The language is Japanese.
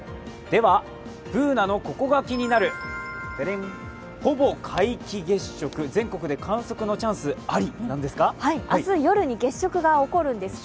Ｂｏｏｎａの「ココがキニナル」、ほぼ皆既月食、全国で観測のチャンスありですか？